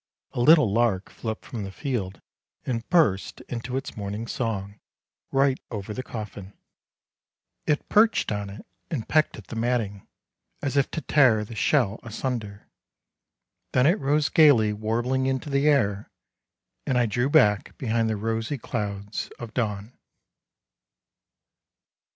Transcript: A little lark flew up from the field and burst into its morning song, right over the coffin. It perched on it and pecked at the matting, as if to tear the shell asunder, then it rose gaily warbling into the air, and I drew back behind the rosy clouds of dawn!